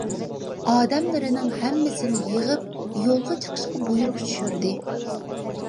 ئادەملىرىنىڭ ھەممىسىنى يىغىپ يولغا چىقىشقا بۇيرۇق چۈشۈردى.